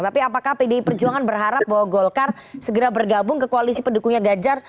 tapi apakah pdi perjuangan berharap bahwa golkar segera bergabung ke koalisi pendukungnya ganjar